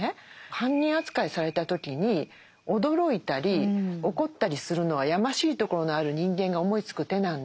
犯人扱いされた時に驚いたり怒ったりするのはやましいところのある人間が思いつく手なんだと。